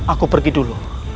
aku pergi dulu